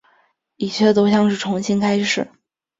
一切都像是重新开始